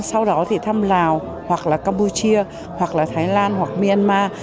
sau đó thì thăm lào hoặc là campuchia hoặc là thái lan hoặc myanmar